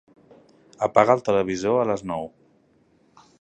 Apaga el televisor a les nou.